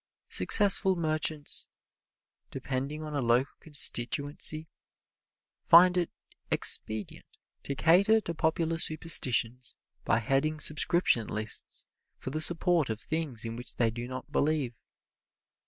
Successful merchants depending on a local constituency find it expedient to cater to popular superstitions by heading subscription lists for the support of things in which they do not believe.